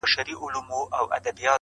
بلکې روغ، روغ کتابونه یې لیکلي